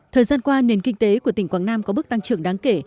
thời gian qua nền kinh tế của tỉnh quảng nam có bước tăng trưởng đáng kể